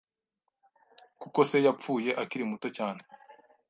kuko Se yapfuye akiri muto cyane